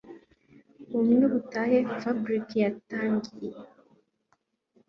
ubumwe butahe Fabric yatangiye